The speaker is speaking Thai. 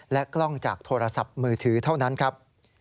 กล้องจากโทรศัพท์มือถือเท่านั้นครับ